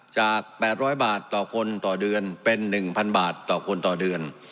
จาก๘๐๐บาทต่อคนต่อเดือนเป็น๑๐๐บาทต่อคนต่อเดือน